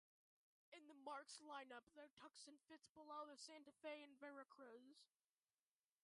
In the marque's lineup, the Tucson fits below the Santa Fe and Veracruz.